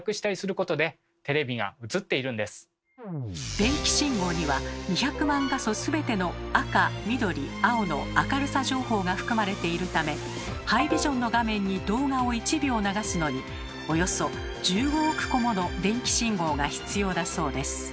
電気信号には２００万画素全ての赤緑青の明るさ情報が含まれているためハイビジョンの画面に動画を１秒流すのにおよそ１５億個もの電気信号が必要だそうです。